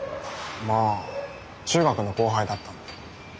まあ中学の後輩だったんで。